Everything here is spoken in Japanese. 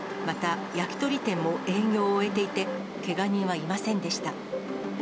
また、焼き鳥店も営業を終えていて、けが人はいませんでした。